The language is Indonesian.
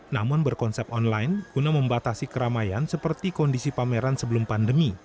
namun berkonsep online guna membatasi keramaian seperti kondisi pameran sebelum pandemi